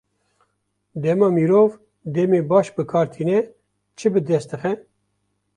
Dema mirov demê baş bi kar tîne, çi bi dest dixe?